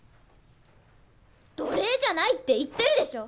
奴隷じゃないって言ってるでしょ！